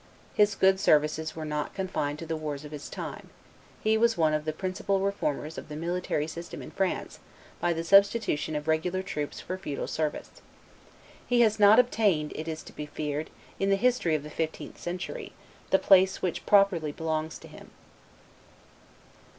His good services were not confined to the wars of his time; he was one of the principal reformers of the military system in France by the substitution of regular troops for feudal service. He has not obtained, it is to be feared, in the history of the fifteenth century, the place which properly belongs to him.